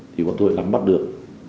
thì quận thủy làm mắt được